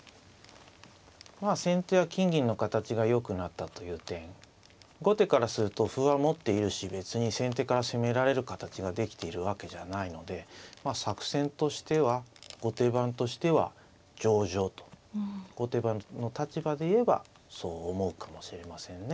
まあ先手は金銀の形がよくなったという点後手からすると歩は持っているし別に先手から攻められる形ができているわけじゃないので作戦としては後手番としては上々と後手番の立場で言えばそう思うかもしれませんね。